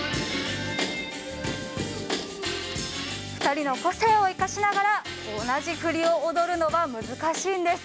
２人の個性を生かしながら同じ振りを踊るのは難しいんです。